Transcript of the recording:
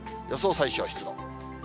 予想最小湿度。